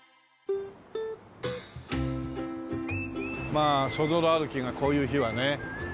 まあそぞろ歩きがこういう日はねいいですよ。